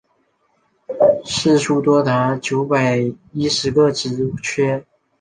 释出多达九百一十个职缺